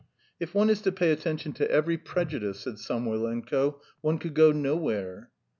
"If one is to pay attention to every prejudice," said Samoylenko, "one could go nowhere."